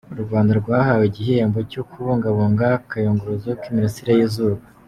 U Rwanda rwahawe igihembo cyo kubungabunga akayunguruzo k’imirasire y’izuba